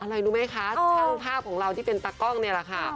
อะไรรู้ไหมคะช่างภาพของเราที่เป็นตากล้องนี่แหละค่ะ